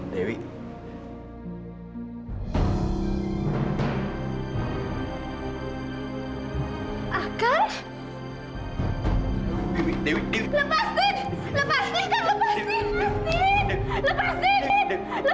pertama kali yang x